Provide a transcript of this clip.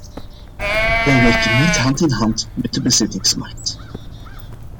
Wij werken niet hand in hand met de bezettingsmacht.